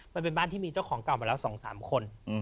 มันเป็นบ้านที่มีเจ้าของเก่ามาแล้ว๒๓คน